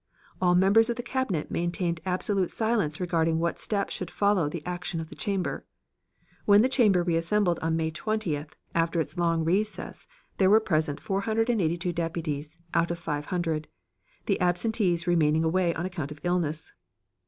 All members of the Cabinet maintained absolute silence regarding what step should follow the action of the chamber. When the chamber reassembled on May 20th, after its long recess, there were present 482 Deputies out of 500, the absentees remaining away on account of illness.